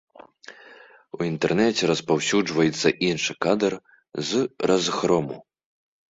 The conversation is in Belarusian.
У інтэрнэце распаўсюджваецца іншы кадр з разгрому.